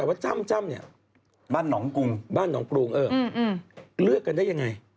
ทุกคนอาจารย์ว่าจ้ำบ้านหนองกรุงเลือกกันได้ยังไง